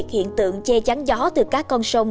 hiện tượng che chắn gió từ các con sông